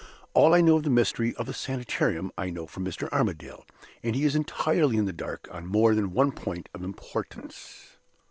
All I know of the mystery of the Sanitarium, I know from Mr. Armadale: and he is entirely in the dark on more than one point of importance.